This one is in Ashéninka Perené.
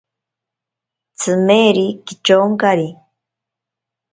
Tsimeri kityonkari.